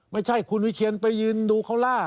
ไม่ใช่คุณวิเชียนไปยืนดูเขาล่า